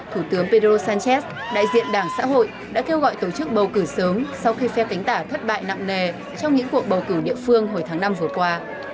thủ tướng pedro sánchez đại diện đảng xã hội đã kêu gọi tổ chức bầu cử sớm sau khi phe cánh tả thất bại nặng nề trong những cuộc bầu cử địa phương hồi tháng năm vừa qua